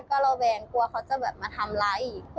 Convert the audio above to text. ก็ระแวงกลัวเขาจะแบบมาทำร้ายอีก